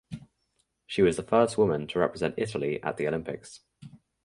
She was the first woman to represent Italy at the Olympics.